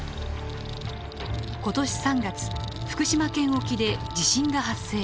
今年３月福島県沖で地震が発生。